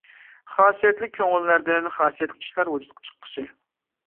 خاسىيەتلىك كۆڭۈللەردىن خاسىيەتلىك ئىشلار ۋۇجۇدقا چىققۇسى.